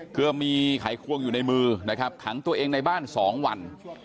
เพื่อมีไขควงอยู่ในมือนะครับขังตัวเองในบ้าน๒วัน